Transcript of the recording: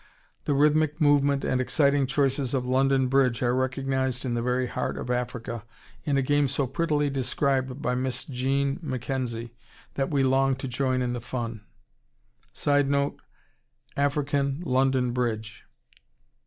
The rhythmic movement and exciting choices of "London Bridge" are recognized in the very heart of Africa in a game so prettily described by Miss Jean McKenzie that we long to join in the fun. [Sidenote: African "London Bridge."